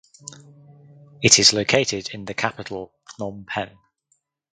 It is located in the capital Phnom Penh.